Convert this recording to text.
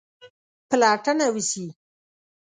پلټنه وسي.